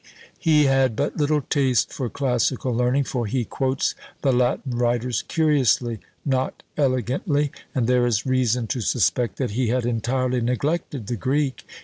He had but little taste for classical learning, for he quotes the Latin writers curiously, not elegantly; and there is reason to suspect that he had entirely neglected the Greek.